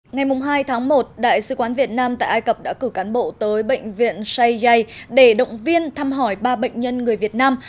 ngày hai tháng một đại sứ quán việt nam tại ai cập đã cử cán bộ tới bệnh viện say để động viên thăm hỏi ba bệnh nhân người việt nam